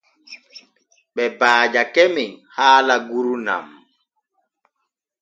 Ɓe baajake men haala gurnan.